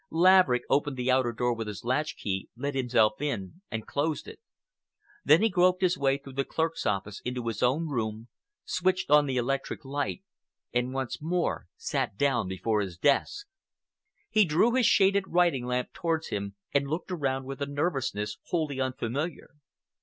Laverick opened the outer door with his latchkey, let himself in and closed it. Then he groped his way through the clerk's office into his own room, switched on the electric light and once more sat down before his desk. He drew his shaded writing lamp towards him and looked around with a nervousness wholly unfamiliar.